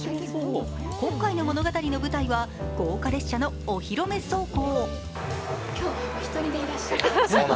今回の物語の舞台は豪華列車のお披露目走行。